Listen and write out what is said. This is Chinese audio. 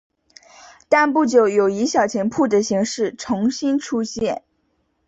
但不久有以小钱铺的形式重新出现。